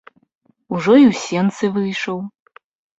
Ужо і ў сенцы выйшаў.